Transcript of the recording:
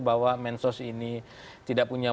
bahwa mensos ini tidak punya